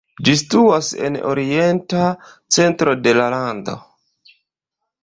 Ĝi situas en orienta centro de la lando.